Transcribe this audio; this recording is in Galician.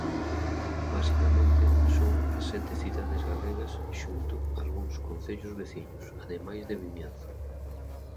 Basicamente son as sete cidades galegas xunto algúns concellos veciños, ademais de Vimianzo.